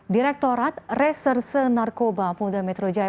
direktorat reserse narkoba polda metro jaya